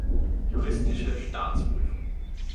Juristische Staatsprüfung.